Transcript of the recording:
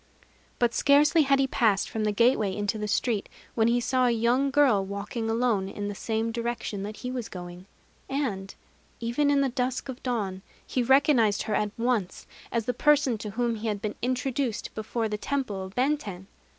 But scarcely had he passed from the gateway into the street, when he saw a young girl walking alone in the same direction that he was going; and, even in the dusk of the dawn, he recognized her at once as the person to whom he had been introduced before the temple of Benten.